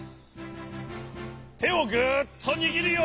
てをぐっとにぎるよ。